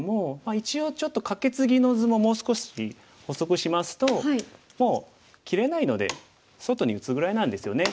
一応ちょっとカケツギの図ももう少し補足しますともう切れないので外に打つぐらいなんですよね。